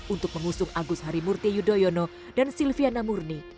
untuk mengusung agus harimurti yudhoyono dan silviana murni